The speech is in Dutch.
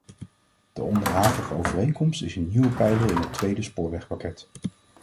De onderhavige overeenkomst is een nieuwe pijler in het tweede spoorwegpakket.